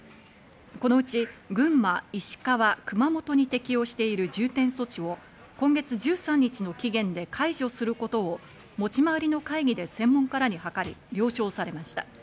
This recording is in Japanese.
このうち、群馬、石川、熊本に適用している重点措置を今月１３日の期限で解除することを持ち回りの会議で専門家らに諮り了承されました。